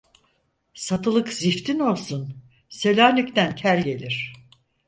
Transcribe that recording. Satılık ziftin olsun, Selanik'ten kel gelir.